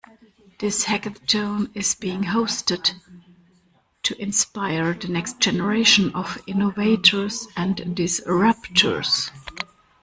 This hackathon is being hosted to inspire the next generation of innovators and disruptors.